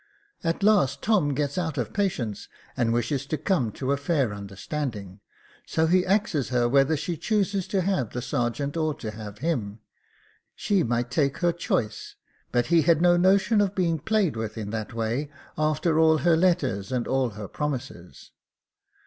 At last, Tom gets out of patience, and wishes to come to a fair under standing. So he axes her whether she chooses to have the sergeant or to have him ; she might take her choice, but he had no notion of being played with in that way, after all her letters and all her promises.